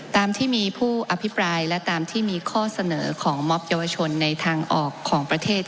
ตามที่มีผู้อภิปรายและตามที่มีข้อเสนอของมอบเยาวชนในทางออกของประเทศ